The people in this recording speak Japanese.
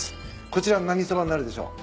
こちら何そばになるでしょう？